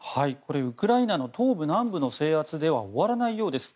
ウクライナの東部、南部の制圧では終わらないようです。